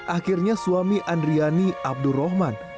akhirnya suami andriani abdurrahman